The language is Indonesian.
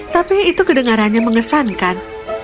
tapi itu kedengarannya mengesankan